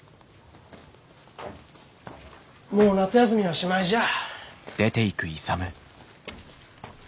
もう夏休みはしまいじゃあ。